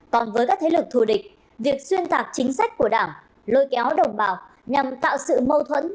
còn với các thế lực thù địch việc xuyên tạc chính sách của đảng lôi kéo đồng bào nhằm tạo sự mâu thuẫn